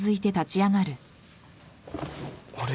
あれ？